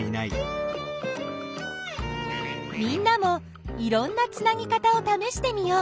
みんなもいろんなつなぎ方をためしてみよう。